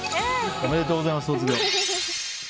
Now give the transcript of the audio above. おめでとうございます、卒業。